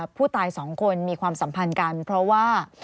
ผู้ตายสองคนมีความสัมพันธ์กันเพราะว่า